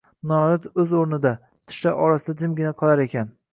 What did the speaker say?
noiloj o‘z o‘rnida – tishlar orasida jimgina qolar ekan.